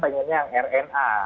pengennya yang rna